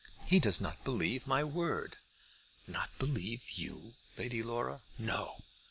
He does not believe my word." "Not believe you, Lady Laura?" "No!